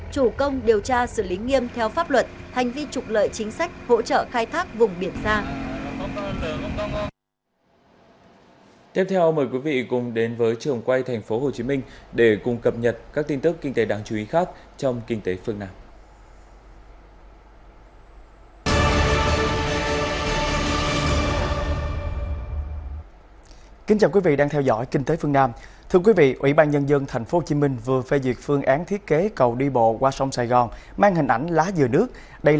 chủ công điều tra xử lý nghiêm theo pháp luật hành vi trục lợi chính sách hỗ trợ khai thác vùng biển xa